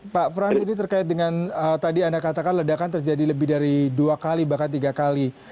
pak frans ini terkait dengan tadi anda katakan ledakan terjadi lebih dari dua kali bahkan tiga kali